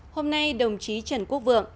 hôm nay đồng chí trần quốc vượng